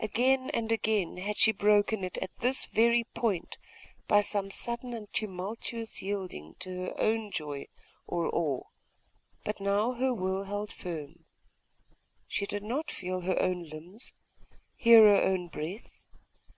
Again and again had she broken it at this very point, by some sudden and tumultuous yielding to her own joy or awe; but now her will held firm.... She did not feel her own limbs, hear her own breath....